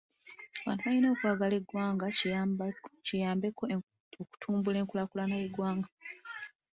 Abantu balina okkwagala eggwanga kiyambeko okutumbula enkulaakulana y'eggwanga.